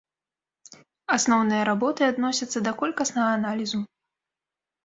Асноўныя работы адносяцца да колькаснага аналізу.